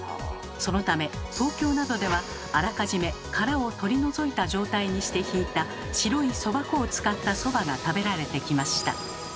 そのため東京などではあらかじめ殻を取り除いた状態にしてひいた白いそば粉を使ったそばが食べられてきました。